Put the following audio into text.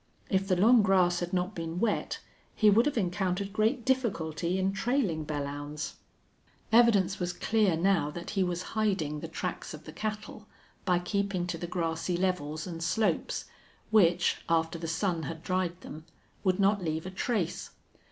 If the long grass had not been wet he would have encountered great difficulty in trailing Belllounds. Evidence was clear now that he was hiding the tracks of the cattle by keeping to the grassy levels and slopes which, after the sun had dried them, would not leave a trace.